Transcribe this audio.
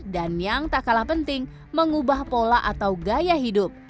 dan yang tak kalah penting mengubah pola atau gaya hidup